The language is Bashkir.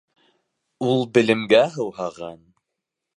Ул белемгә һыуһаған